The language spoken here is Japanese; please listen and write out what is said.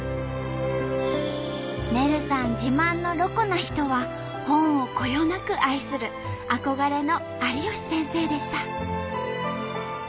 ねるさん自慢のロコな人は本をこよなく愛する憧れの有吉先生でした。